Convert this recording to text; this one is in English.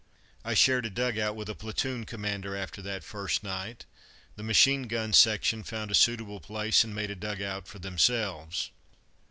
I shared a dug out with a platoon commander after that first night. The machine gun section found a suitable place and made a dug out for themselves.